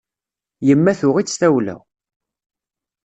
Yemma tuɣ-itt tawla.